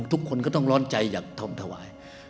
ทุกคนก็ต้องร้อนใจอยากทำถวาย